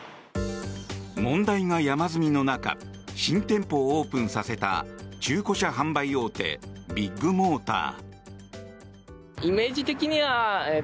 問題が山積みの中新店舗をオープンさせた中古車販売大手ビッグモーター。